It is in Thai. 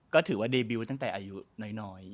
ก็ถือว่าเดบิวตั้งแต่อายุน้อย